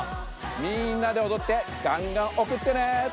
みんなでおどってがんがんおくってね！